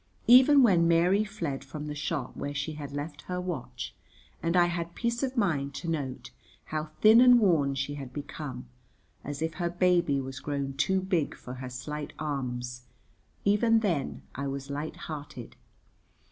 Even when Mary fled from the shop where she had left her watch, and I had peace of mind to note how thin and worn she had become, as if her baby was grown too big for her slight arms, even then I was light hearted.